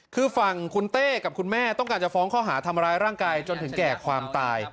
คือฝั่งคุณเต้กับคุณแม่ต้องการจะฟ้องข้อหาทำร้ายร่างกายจนถึงแก่ความตาย